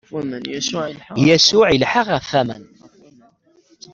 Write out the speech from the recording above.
Yasuɛ ilḥa ɣef waman.